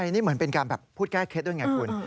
นี่เหมือนเป็นการแบบพูดแก้เคล็ดด้วยไงคุณ